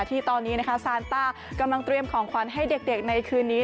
ที่ตอนนี้นะคะซานต้ากำลังเตรียมของขวัญให้เด็กในคืนนี้